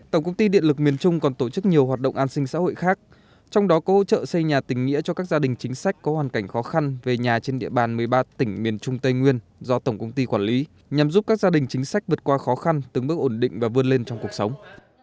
tổng công ty điện lực miền trung còn tổ chức nhiều hoạt động an sinh xã hội khác trong đó có hỗ trợ xây nhà tình nghĩa cho các gia đình chính sách có hoàn cảnh khó khăn về nhà trên địa bàn một mươi ba tỉnh miền trung tây nguyên do tổng công ty quản lý nhằm giúp các gia đình chính sách vượt qua khó khăn từng bước ổn định và vươn lên trong cuộc sống